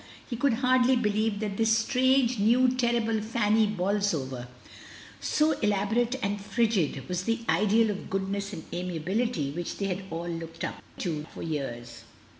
He could hardly believe that this strange, new, terrible Fanny Bolsover, so elaborate and frigid, was the ideal of goodness and amiability which they SUSANNA AT HOME. 225 had all looked up to for years.